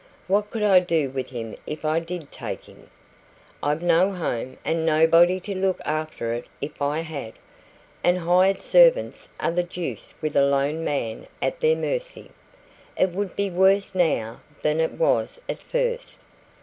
What could I do with him if I did take him? I've no home, and nobody to look after it if I had; and hired servants are the deuce with a lone man at their mercy. It would be worse now than it was at first.